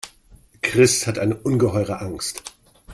Chris hat eine ungeheure Angst.